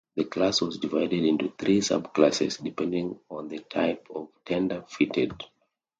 The class was divided into three sub-classes depending on the type of tender fitted.